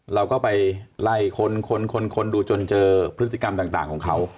เราก็ไปไล่คนดูจนเจอพฤติกรรมต่างของเขา